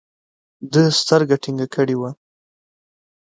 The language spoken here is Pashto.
ده سترګه ټينګه کړې وه.